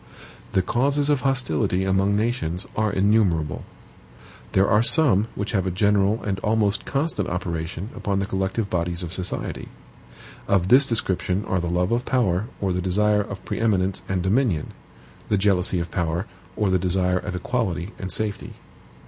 The causes of hostility among nations are innumerable. There are some which have a general and almost constant operation upon the collective bodies of society. Of this description are the love of power or the desire of pre eminence and dominion the jealousy of power, or the desire of equality and safety.